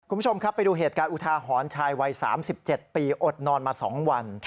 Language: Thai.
คุณผู้ชมครับไปดูเหตุการณ์อุทาหรณ์ชายวัย๓๗ปีอดนอนมา๒วัน